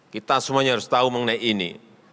kita semuanya harus tahu mengenai ini